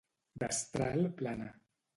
Destral plana.